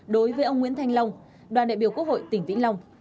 đối với ông nguyễn thanh long đoàn đại biểu quốc hội tỉnh vĩnh long